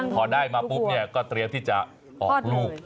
พอได้มาปุ๊บเนี่ยก็เตรียมที่จะออกลูก